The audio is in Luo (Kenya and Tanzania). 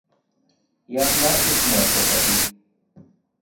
Yath mar ichmwor pesa adi?